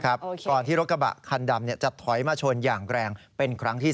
ก่อนที่รถกระบะคันดำจะถอยมาชนอย่างแรงเป็นครั้งที่๓